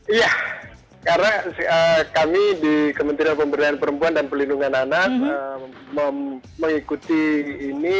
iya karena kami di kementerian pemberdayaan perempuan dan pelindungan anak mengikuti ini